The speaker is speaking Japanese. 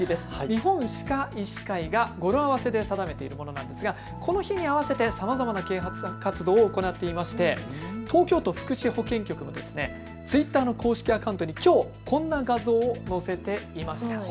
日本歯科医師会が語呂合わせで定めているものなんですがこの日にあわせてさまざまな啓発活動を行っていまして東京都福祉保健局もツイッターの公式アカウントにきょうこんな画像を載せていました。